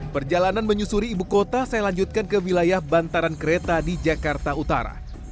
perjalanan menyusuri ibu kota saya lanjutkan ke wilayah bantaran kereta di jakarta utara